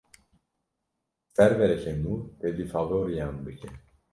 Servereke nû tevlî favoriyan bike.